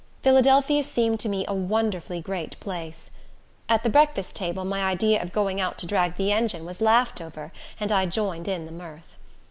Philadelphia seemed to me a wonderfully great place. At the breakfast table, my idea of going out to drag the engine was laughed over, and I joined in the mirth.